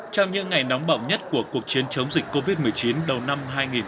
trong những ngày nóng bậm nhất của cuộc chiến chống dịch covid một mươi chín đầu năm hai nghìn hai mươi